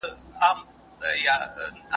ساینس د انسانانو په پوهه کې زیاتوالی راوړي.